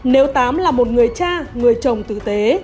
nếu tám là một người cha người chồng tử tế